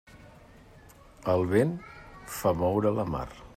El vent fa moure la mar.